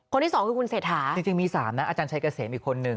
คนที่สองคือคุณเศรษฐาจริงมี๓นะอาจารย์ชัยเกษมอีกคนนึง